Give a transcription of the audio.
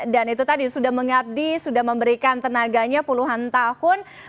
dan itu tadi sudah mengabdi sudah memberikan tenaganya puluhan tahun